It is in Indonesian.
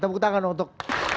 tepuk tangan untuk